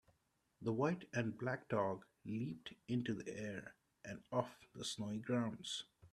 The white and black dog leaped into the air and off the snowy ground.